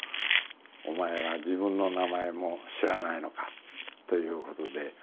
お前は自分の名前も知らないのかということで罰立たされまして。